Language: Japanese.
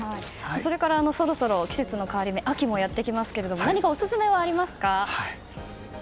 それから季節の変わり目秋もやっていますが何かオススメはありますか？